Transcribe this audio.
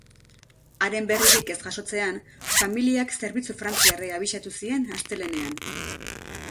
Haren berririk ez jasotzean, familiak zerbitzu frantziarrei abisatu zien astelehenean.